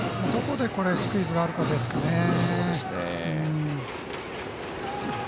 どこでスクイズがあるかですかね。